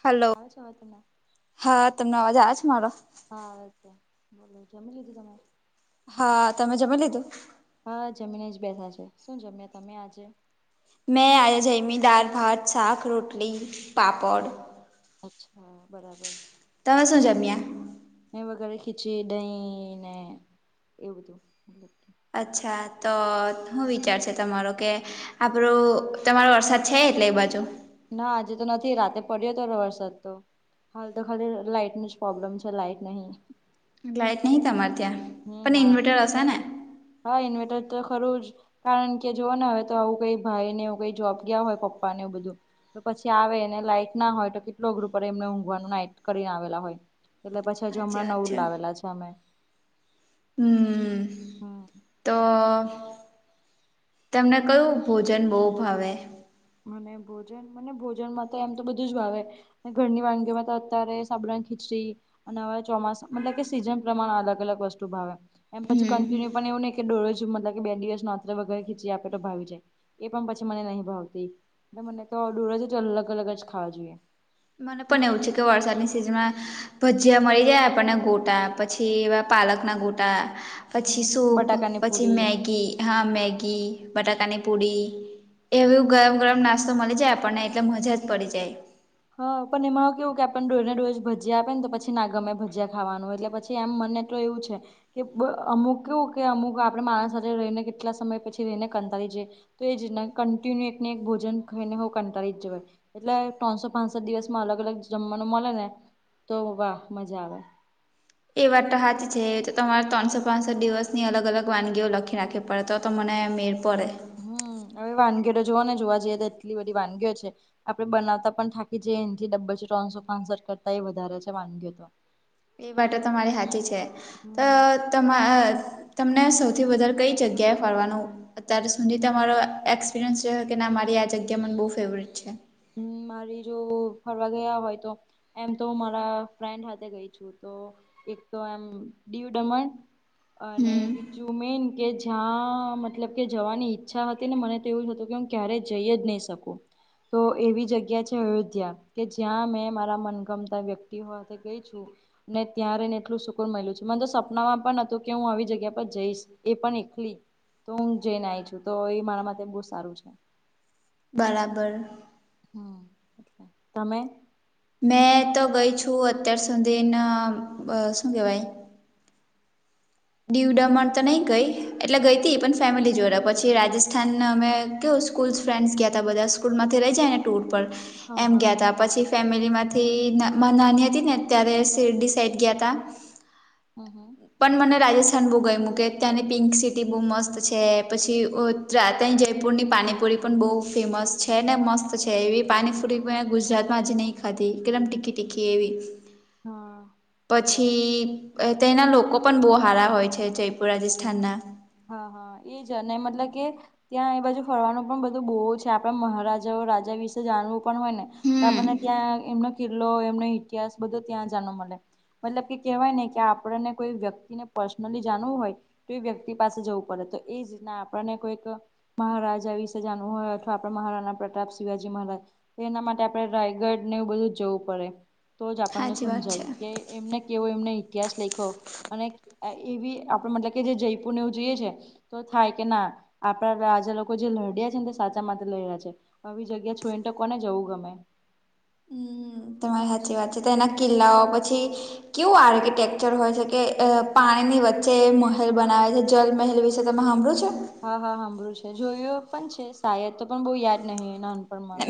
Hello [inaudible] હા તમને અવાજ આવ છે મારો! [inaudible] હા તમે જમી લીધું? હા જમીને જ બેસા છે. શું જમ્યા તમે આજે? મેં આજે જયમિ દાળ, ભાત, સાક, રોટલી, પાપડ. અચ્છા બરાબર. તમે શું જમ્યા? એ વગરે ખીચડી, દહીં ને એ બધું. અચ્છા તો હું વિચારશે તમારો કે આપડો તમારો વરસાદ છે. એટલે એ બાજુ ના આજે તો નથી રાતે પડ્યો હતો વરસાદ તો. હાલ તો ખાલી લાઈટ ની જ પ્રોબ્લેમ છે. લાઈટ નહીં. લાઈટ નહિં તમારે ત્યાં? હમ પણ ના ઇન્વર્ટર હશે ને હા ઇન્વીટર તો ખરું જ કારણ કે જોઓ ને અવે તો આવું કઈ ભાઈ ને કઈ જોબ ગયા હોય પપ્પા ને બધું. તો પછી આવે અને લાઈટ ના હોય તો કેટલો અગરો પડે એમને ઊંઘવાનું નાટઈ કરીને આવેલા હોય. એટલે પછી હજુ સાચી અમણાં વાત નવું જ લાવેલા છે અમે. હમ. હમ તો તેમને કયું ભોજન બહુ ભાવે? મને ભોજન મને ભોજન માં તો એમ તો બધું જ વાવેે ઘરની વાનગીઓમાં તો અત્યારે [unintelligible] ખીચડી અને અવે ચોમાસા મતલબ કે સિઝન પ્રમાણે અલગ અલગ વસ્તુ ભાવે. એમ પછી કન્ટિન્યુ પણ એવું નઈ કે મતલ બે દિવસ નો આત્ર વગેરે ખીંચીડ આપે તો ભાવી જાય. એ પણ પછી મને નહીં ભાવતી. મને તો અલગ અલગ જ ખાવા જોઈએ. મને પણ એવું છે કે વરસાદની સિઝનમાં ભજીયા મળી જાય આપણને ગોટા પછી એવા પાલકના ગોટા પછી સૂપ બટાકાની પછી પુરી મેગી હા મેગી બટાકાની પૂરી એવું ગરમ ગરમ નાસ્તો મલી જાય આપણને એટલે મજા જ પડી જાય. હા પણ એમાં હું કેવું કે ભજીયા આપે ને તો પછી ના ગમે ભજીયા ખાવાનું એટલે પછી એમ મને તો એવું છે. કે અમુક આપડે માણસ સાથે રહીને કેટલા સમય પછી રહીને કંટાળી જઈએ. તો એ જ કન્ટિન્યુ એકને એક ભોજન ખાને હો કંટાળી જ જવાય એટલે ત્રણસો પાંચ સાત દિવસમાં અલગ અલગ જમવાનું મળે ને તો વાહ મજા આવે. એ વાત તો સાચી છે. તો તમારે ત્રણસો પાંસઠ દિવસની અલગ અલગ વાનગીઓ લખી રાખે પણ તો મને મેડ પડે. હમ અવે વાનગીઓ તો જોવો ને જોવા જઈએ તો એટલી બધી વાનગીઓ છે. આપડે બનાવતા પણ થાકી જઈએ એથી ત્રણસો પાંસઠ કરતા એ વધારે છે વાનગીઓ તો. એ વાત તો મારી હાચી છે. તો હમ તમા અ તમને સૌથી વધારે કઈ જગ્યાએ ફરવાનું અત્યારે સુુંધી તમારો એક્સપિરિયન્સ છે કે ના મારી આ જગ્યા મને બોઉ ફેવરેટ છે. હમ મારી જો ફરવા ગયા હોય તો એમ તો મારા ફ્રેન્ડ હાથે ગઈ છું. તો એક તો એમમ દિવ-દમણ અને હમ બીજું મેન કે જ્યાં મતલબ કે જવાની ઈચ્છા હતી ને મને તો એવું જ હતું કેમ ક્યારે જઈ જ નહી શકું. તો એવી જગ્યા છે અયોધ્યા કે જ્યાં મેં મારા મનગમતા વ્યક્તિઓ સાથે ગઈ છું. ને ત્યા્યારે ને એટલું સુકુર મળેલ્યું છે મને તો સપનામાં પણ હતું કે હું આવી જગ્યા પર જઈશ. એ પણ એકલી તો હું જઈને આવી છું તો એ મારા માટે બહુ સારું છે. બરાબર. હમ તમે. મેં તો ગઈ છું અત્યાર સુધીના શું કેહેવાય. દીવ દમણ તો નહીં ગઈ એટલે ગઈ હતી પણ ફેમિલી જોડે પછી રાજસ્થાન અમે કે સ્કૂલ ફ્રેન્ડસ ગયા તા બધા સ્કૂલમાંથી રહી જાયને ટુર પર હા એમ હા ગયા ત્યાં. પછી ફેમિલીમાંથી નાની હતી ને ત્યારે શડી સાઇડ ગયા હતા. હમ હમ. પણ મને. રાજસ્થાન બહુ ગય મૂકે ત્યાંની પિંક સિટી બહુ મસ્ત છે પછી ત્યાંની જયપુરની પાણીપુરી. પણ બહુ ફેમસ છે ને મસ્ત છે એવી પાણીપુરી પણ ગુજરાતમાં હજ નહીં. અદી એકદમ ટીકી ટીકી એવી. હા પછી બરાબર તેના લોકો પણ બો. ભાડા હોય છે જયપુરા રાજસ્થાનના. હા હા એ જ મતલબ કે ત્યાં એ બાજુ ફરવાનું પણ બધું બહુ છે આપણા મહારાજાઓ રાજા વિશે જાણવું પણ હોય ને તો હમ આપણને ત્યાં એમનો કિલ્લો એમનો ઇતિહાસ બધો ત્યાં જાણવ મળે મતલબ કે કેહેવાય નને કે આપણને કોઈ વ્યક્તિને પર્સનલી જાણવું હોય તો એ વ્યક્તિ પાસે જવું પડે તો એ જીતના આપણને કોઈક મહારાજા વિશે જાણવું હોય અથવા આપણે મહારાણા પ્રતાપ શિવાજી મહારાજ એના માટે આપણેે રાયગઢ ને એવું બધું જ જવું પડે તો જ આપણને સાચી વાત છે સમજાય કે એમને કેવો એમને ઇતિહાસ લેખો અને એવી આપડ મતલબ કે જે જઈ પુું જઈએ છે તો થાય કે ના આપણા રાજા લોકો જે લડ્યા છે ને તે સાચા માટે લડ્યા છે આવી જગ્યા છોઈને કોને જવું ગમે હમ તમારી સાચી વાત છે તો એના કિલ્લાઓ પછી કેવું આર્કિટેક્ચર હોય છે કે પાણીની વચ્ચે હેલ હા બનાવે છે જલ મહેલ વિશે તમે હમરું છે હા હા સાંભળું છે જોયું પણ છે શાયદ તો પણ બહુ યાદ નહીિ એ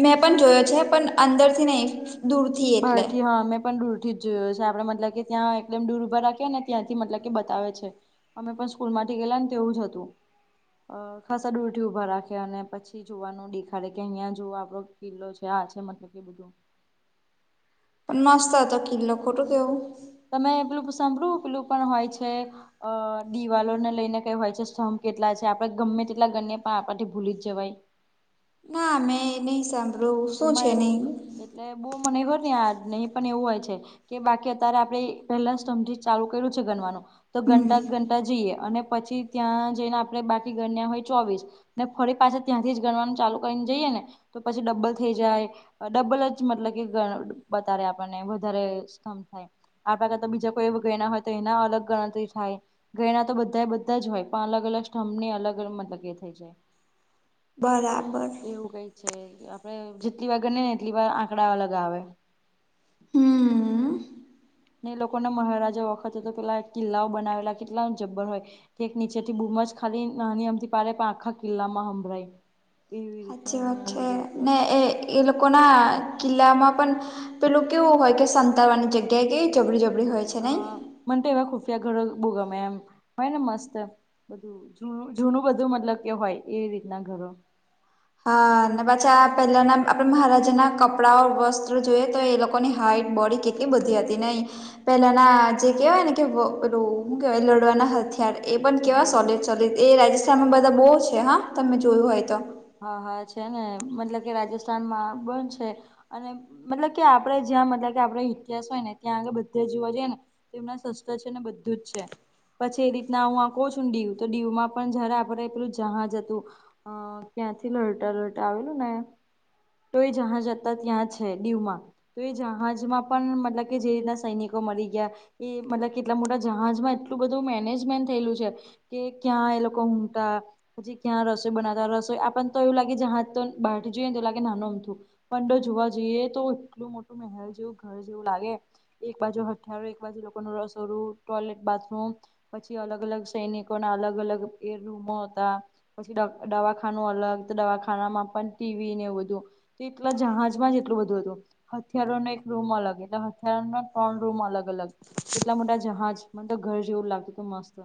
મેં પણ જોયો છે પણ અંદર થી નહી દૂર હરઠથી હા મેં પણ દુરથી આપડે મતલબ કે ત્યાં એકમ દૂર ઉભા રાખી ને ત્યાંથી મતલબ કે બતાવે છે અમે પણ સ્કૂલ માંથી ગેલા ને તે એવું જ હતું અ ખાસા દ ઉરઠી ઉઊભા રાખે અને પછી જોવાનું દેખાડ કે અહિયાયા જુવ આપડ કિલ્લો છે આ છે મતલબ કે બધું નાસ્તા તો કલોખોટું કેવ તમે પેલું સાંભળું પેલું પણ હોય છે અ દિવાલોને લઈને કઈ હોય છે સ્તંભ કેટલા છે આપડે ગમે તેટલા ગને પણ આપથી ભૂલી જ જવાય ના મેં નહી સાબણીયુ એમાં એવું એટલે બહુ મને ખર ને આ નહી પણ એવું હોય છે કે બાકી અત્યારે આપણે પહેલાજી ચાલુ કર્યું છે ગનવાનું તો હમ ગણતા ગણતાજઈએ અને પછી ત્યાં જઈને આપણે બાકી ગણ્યા હોય ચોવીસ ને ફરી પાછા ત્યાંથી જ ગણવાનું ચાલુ કરીને જઈએ ને તો પછી ડબલ થઈ જાય ડબલ જ મતલબ કે બતાારે આપણને વધારેમ થાય આણે કર તો બીજા કોઈ એ ગણા હોય તો એના અલગ ગણતરી થાય ઘયના તો બધા એ બધા જ હોય પણ અલગ અલગ સ્ંભને અલગ અલગ મતલબ એ થઈ જાય બરાબર. એવું કઈ છે આપડે જેટલી વાર ગણીએ ને એટલી વાર આંકડા અલગ આવે. હમ ને એ લોકોના મહારાજા વખતે તો પેલા કિલ્લાઓ બનાવેલા કેટલા જબ્બર હોય. તે એક નીચેથી બૂમજ ખાલી નાની અમતી પ પણ આખા કિલ્લામાં હંભળઈ. સાચી વાત છે ને એ એ લોકોના કિલ્લામાં પણ. પેલું કેવું હોય કે સંતાવાની જગ્યાએ કે જબડી જબરી હોય. છે નહી હા મને તો એવા ખુફિયા ઘરો બો ગવમે એમ ભાઈ ને મસ્ત. જૂનું બધું મતલબ કે હોય એ રીતના ઘરો. હ પછી આ પેલાના આપણે મહારાજાના કપડાઓ વસ્ત્ર જોઈએ તો એ લોકોની હાઈટ બોડી કે. એ બધી હતી નહી પેલાના જે કેહેવાય ને કે હું કેવાય લડવાના. ખર એ પણ કેવા સોલ હા સોલ એ રાજસ્થાનમાં બધા બહુ છે હા તમે જોયું હોય તો. હા હા છે ને મતલબ કે રાજસ્થાનમાં બંધ છે. અને મતલબ કે આપડે જ્યાં મતલબ કે આપણે ઇતિહાસ હોય ને ત્યાં આગળ બધે જોવા જઈએ ને. તેમના સસ્તા છે ને બધુંજ છે. પછી એ રીતના હું આ કું છુંને ડીવ તો ડીવમાં પણ જરા આપડ પેલું જહાજ હતું. અ ક્યાંથી લટા લતા આવેલું ને. તોય જહા જતા ત્યાં છે દીવમાં. તો એ જહાજમાં પણ મતલબ કે જે રીતના સૈનિકો મળી ગયા. એ મતલબ કેટલા મોટા જહાજમાં એટલું બધું મેનેજમેન્ટ થયેલું છે. કે ક્યાં એ લોકો હુતા પછી ક્યાં રસોઈ બનાતા રસોઈ. પણ તો એવું લાગે જ હા તો બહાર થી જોઈએ ને એવુ લાગે નાનું અમથું. પંતો જોવા જઈએ તો એટલું મોટું મહેલ જેવું ઘર જેવું લાગે. એક બાજુ હથિયારો એક બાજુ લોકોનું રસોડું ટોયલેટ બાથરૂમ. પછી અલગ અલગ સૈનિકો ના અલગ અલગ એ રૂમો હતા પછી દવાખાના. અલગ દવાખાનામાં પણ ટીવી ને એ બધું એટલા જહાજમાં જ એટલું બધું હતું. હથિયારોને એક રૂમ અલગ એટલે હથિયારોનો ત્રણ રૂમ અલગ અલગ. કેટલા મોટા જહાજ મ તો ઘર જેવું લાગતું હત મસ્ત.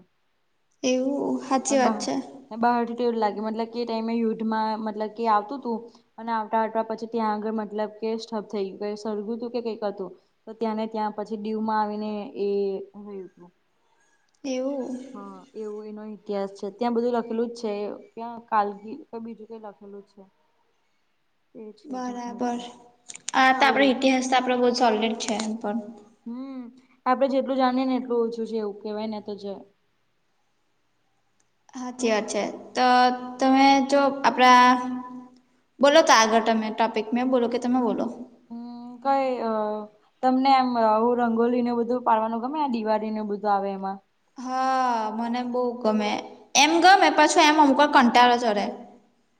એવું સાચી વાત છે. ને બારથીવું લાગ્યું મતલબ કે એ ટાઈમે યુદ્ધમાં મતલબ કે આવતું હતું. અને આવતા આટવા પછી ત્યાં આગળ મતલબ કે સ્ટબ થઈ ગયું સળગું હતું કે કંઈક હતું. તો ત્યાંને ત્યાં પછી દીવમાં આવીને એ જોયું હતું. એવું. એવું એનો ઇતિહાસ છે ત્યાં બધું લખેલું જ છે ક્યાં. કલગી કઈ બીજું કઈ લખેલું છે. એ છે જહાજ બરાબર આ એટલે તો આવું આપડો બધું ઇતિહાસ તો આપડ બહ સોલડ છે એમ પણ. હમ્મ આપડે જેટલું જાણીએ ને એટલું ઓછું છે એવું કેવાય ને તો જ. હાચી વાત છે તો તમે જો આપણા. બોલો તો આગળ તમે ટોપિકમાં બોલો કે તમે બોલો. હમ્મ કઈ અ. તમને એમ રંગોલી ને બધું પાડવાનું ગમે દિવાળીને બધું આવે એમાં. હા મને બહુ ગમે એમ ગમે પાછું એમ અમુક કંટાકળ જોરે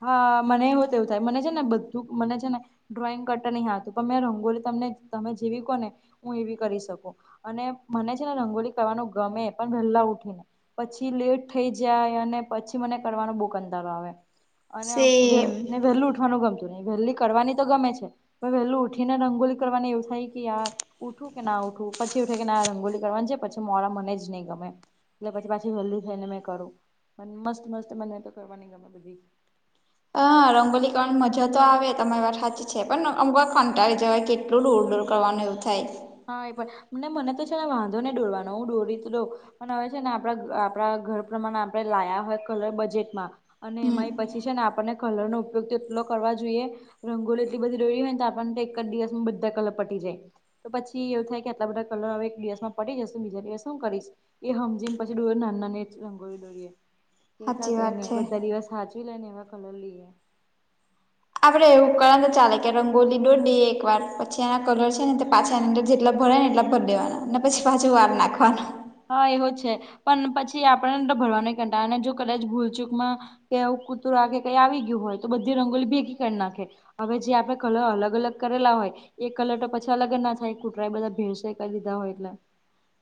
હા મને એવ હોત એવું થાય મને છે ને બધું મને છે ને. ડ્રોઈંગ કરતા નહીં હતું પણ મેં રંગોલી તમને તમે જીવી કોહ ને. હું એવી કરી શકું અને મને છે ને રંગોલી કરવાનું ગમે પણ વેલા ઉઠીને. પછી લેટ થઈ જાય અને પછી મને કરવાનો બહુ કંટાળો આવે. અને સેમ ને વહેલું ઉઠવાનું ગમતું નહી વહેલી કરવાની તો ગમે છે. વેલું ઉઠી ને રંગોલી કરવાને એવું થાય કે યાર. ઉઠું કે ના ઉઠવું પછી ઉઠે કે ના રંગોલી કરવાની જે પછી મોરા મને જ નહીં ગમે. એટલે પછી પાછી હેલ્ થઈ ને મે કરું મસ્ત મસ્ત મને તો કરવાની ગમે બધી. આ રંગલી કરવાની મજા તો આવે તમારી વાર સાચ છે, પણ અમુક કંટાળી જવાય કેટલું ડૂર ડૂર કરવાનું એવું થાય હા એ પણને મને તો છે, ને વાંધો નને દોરવાનો હું દોરી દઉં પણ હવે છે, ને આપડા આપણા ઘર પ્રમાણે આપણે લાયા હોય કલર બજેટમાં અને હમ એમાં એ પછી છે, ને આપણને કલરનો ઉપયોગ તેટલો કરવા જોઈએ. રંગોલી એટલી બધી દોરીયે હોય ને તો આપણને તો એક જ દિવસમાં બધા કલર પટી જાય. તો પછી એવું થાય કે આટલા બધા કલર હવે એક દિવસ માં પડી જશે બીજા દિવસ શું કરીશ એ સમમજી એમ પાછી ડોર નાના એ જ રંગોળી ડોરીએ બે ચાર સાચી કઈ વાત નઈ છે બધા દિવસ સાંચવી લે ને એવા કલર લઈએ. આપડે એવું કરવા તો ચાલે કે રંગોલી દોડીએ એકવાર પછી એના કલર છે, ને તે પાછ સેલન્ડર જેટલા ભરા ને એટલા ભરી દેવાનું અને પછી પાછું વાર નાખવાનું હા એવો છે, પણ પછી આપણે ભરવા નહી કંટા અને જો કદાચ ભૂલચૂકમાં કેું કૂતરું આ કેે કઈ આવી ગયું હોય તો બધી રંગોલી ભેગી કરી નાખે હવે જે આપડે કલર અલગ અલગ કરેલા હોય એ કલર તો પછી અલગ જ ના થાય કુટરા એ બધા ભેડસે કરી દીધા હોય એટલે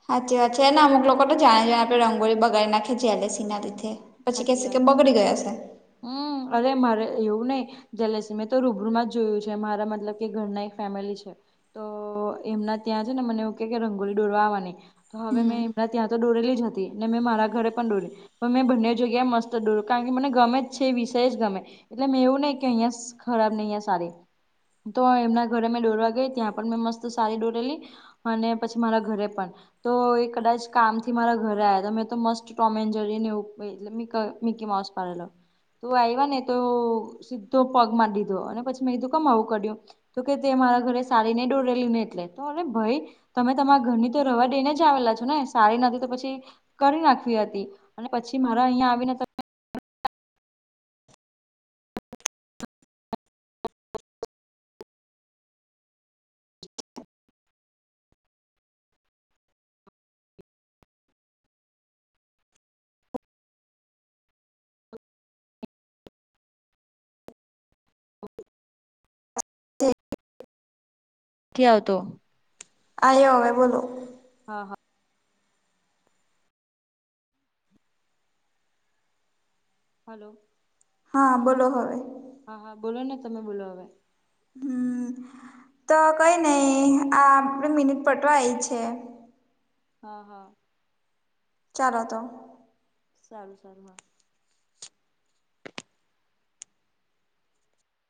સાચચી વાત છે, એને અમુક લોકો તો જાણે જા આપણે રંગોળી બગાડી નાખે જેલેસી ના લીધે પછી સાચી કેશે કે વાત છે બગડી ગયા હમ્મ અરે મારે એવું નઈ જલેસી મેં તો રૂબરૂમાં જ જોયું છે, મારા મતલબ કે ઘરના એક ફેમિલી છે. તો એમના ત્યાં જોને મને એવું કે કે રંગોલી ડોરવા આવવાની તો હવે મેં હમ એમને ત્યાં તો દોરેલી જ હતી ને મેં મારા ઘરે પણ દોરી પણ મેં બંને જ જગ્યા મસ્ત ડોર કારણ કે મને ગમે જ છે, વિષય જ ગમે. એટલે મેં એવું નહીં કે અહિયાં ખરાબ નહીં અહીંયા સારી તો એમના ઘરે મેં દોરવા ગઈ ત્યાં પણ મેં મસ્ત સારી દોરેલી અને પછી મારા ઘરે પણ. તો એ કદાચ કામ થી મારા ઘરે આવ્યા હતા મેં તો મસ્ટ ટોમેન્જરીને જોઈ મકા મિકીમાંવુંશ પાડેલો. તો આવયા ને તો સીધો પગ મારી દીધો અને પછી મેં કીધું કેમ આવું કર્યું. તો કે તે મારા ઘરે સારીને દોરેલી ને એટલે તો અરે ભાઈ. તમે તમારા ઘરની તો રવા દઈને જ આવેલા છો ને સારી નથી તો પછી કરી નાખવી હતી અને પછી મારા અહંયા આવીને કે આવતો આયો હવે બોલો. હા, હા. હલો. હા, બોલો હવે. હા, હા બોલો ને તમે બોલો હવે. હમ તો કઈ નઈ આ આપે મિનિટ પતવા આઈ છે. હા, હા. ચાલો તો. સારું, સારું, હા.